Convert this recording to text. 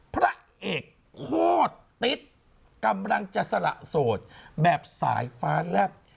พระเอกโคตรติ๊ดกำลังจะสละโสดแบบสายฟ้าแลบ